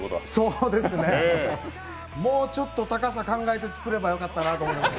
そうですね、もうちょっと高さ考えて作ればよかったなと思います。